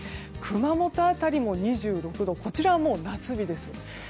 熊本辺りも２６度こちらはもう夏日です。